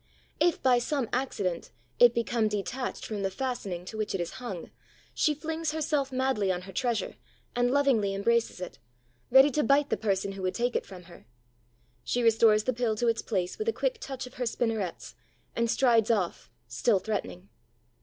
If, by some accident, it become detached from the fastening to which it is hung, she flings herself madly on her treasure and lovingly embraces it, ready to bite the person who would take it from her. She restores the pill to its place with a quick touch of her spinnerets, and strides off, still threatening.